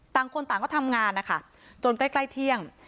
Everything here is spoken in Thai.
ต่างคนต่างก็ทำงานนะคะจนใกล้ใกล้เที่ยง